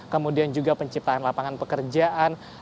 kemudian juga penciptaan lapangan pekerjaan